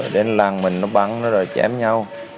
đến làng mình nó bắn nó rồi chém nhau